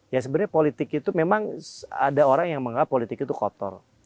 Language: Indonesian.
ya sebenarnya politik itu memang ada orang yang menganggap politik itu kotor